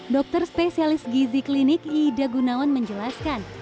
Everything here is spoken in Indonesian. dokter spesialis gizi klinik ida gunawan menjelaskan